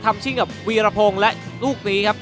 ชิงกับวีรพงศ์และลูกนี้ครับ